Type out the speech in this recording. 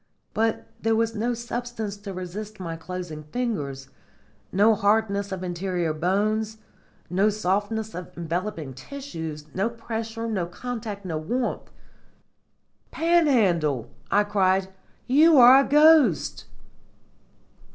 But there was no substance to resist my closing fingers, no hardness of interior bones, no softness of enveloping tissues, no pressure, no contact, no warmth. "Panhandle," I cried, "you are a ghost!"